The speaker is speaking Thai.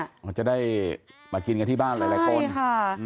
เขาจะได้มากินกันที่บ้านหลายคนค่ะ